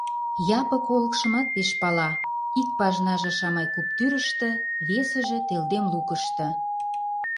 Япык олыкшымат пеш пала: ик пажнаже — Шамай куп тӱрыштӧ, весыже — Телдем лукышто.